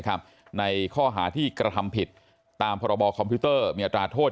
ในข้อหาที่กระทำผิดตามพรบคอมพิวเตอร์มีอัตราโทษ